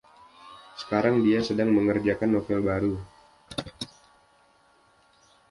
Sekarang dia sedang mengerjakan novel baru.